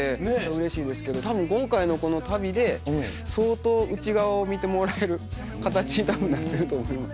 うれしいですけど多分今回のこの旅で相当内側を見てもらえる形に多分なってると思います。